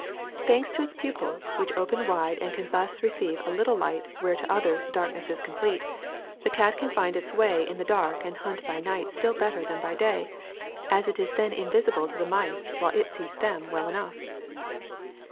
^* Thanks to its pupils, which open wide and can thus still receive a little light where to others the darkness is complete, the cat can find its way in the dark and hunt by night still better than by day, as it is then invisible to the mice while it sees them well enough.